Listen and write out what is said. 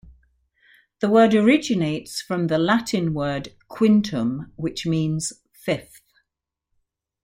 The word originates from the Latin word "quintum", which means "fifth".